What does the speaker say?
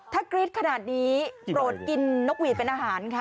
ถ้ากรี๊ดขนาดนี้โปรดกินนกหวีดเป็นอาหารค่ะ